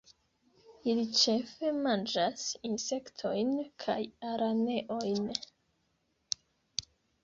Ili ĉefe manĝas insektojn kaj araneojn.